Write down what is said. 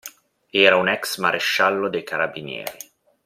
Era un ex-maresciallo dei carabinieri.